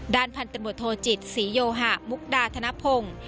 พันธมตโทจิตศรีโยหะมุกดาธนพงศ์